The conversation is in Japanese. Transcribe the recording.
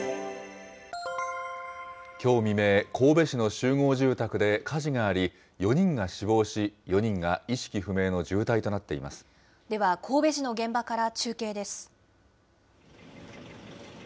きょう未明、神戸市の集合住宅で火事があり、４人が死亡し、４人が意識不明のでは、神戸市の現場から中継です。